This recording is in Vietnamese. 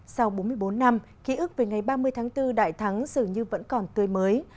sau bốn mươi bốn năm ký ức về ngày ba mươi tháng bốn đại thắng dường như vẫn còn tươi mới